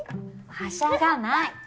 はしゃがない。